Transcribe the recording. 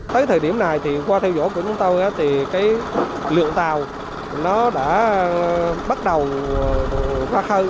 từ thời điểm này qua theo dõi của chúng tôi lượng tàu đã bắt đầu ra khơi